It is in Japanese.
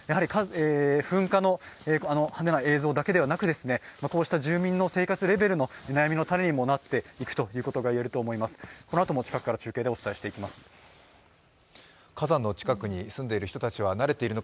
噴火の派手な映像だけではなく、住民の生活レベルの悩みの種にもなっていくということが言えると思います。